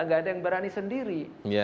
gak ada yang berani sendiri